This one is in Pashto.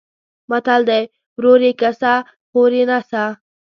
متل دی: ورور یې کسه خور یې نسه.